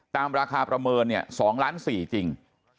ตามราคาประเมิน๒ล้าน๔จริง